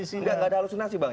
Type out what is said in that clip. tidak ada halusinasi bang